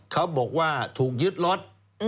เขาบอกว่าถูกยึดรถ